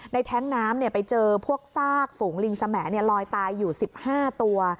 แท้งน้ำไปเจอพวกซากฝูงลิงสมลอยตายอยู่๑๕ตัว